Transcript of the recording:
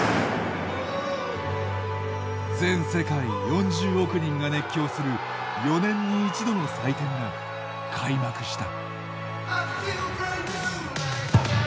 全世界４０億人が熱狂する４年に一度の祭典が開幕した。